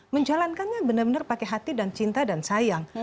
menjalankannya benar benar pakai hati dan cinta dan sayang